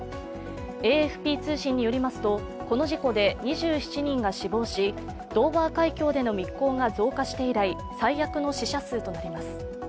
ＡＦＰ通信によりますと、この事故で２７人が死亡しドーバー海峡での密航が増加して以来、最悪の死者数となります。